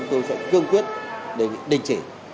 tôi sẽ cương quyết để định chỉ